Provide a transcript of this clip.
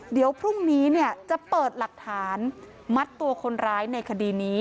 เดี๋ยวพรุ่งนี้จะเปิดหลักฐานมัดตัวคนร้ายในคดีนี้